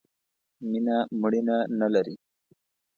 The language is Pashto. مینه مړینه نه لرئ